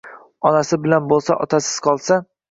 Onasi bilan bo’lsa, otasiz qolsa.